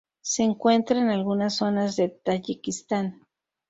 Se encuentra en algunas zonas del Tayikistán.